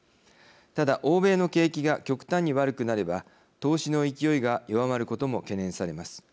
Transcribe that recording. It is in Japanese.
ただ欧米の景気が極端に悪くなれば投資の勢いが弱まることも懸念されます。